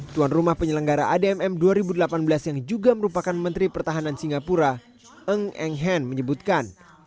tuan rumah penyelenggara admm dua ribu delapan belas yang juga merupakan menteri pertahanan singapura eng eng hen menyebutkan